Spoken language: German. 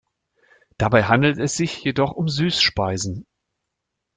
Dabei handelt es sich jedoch um Süßspeisen.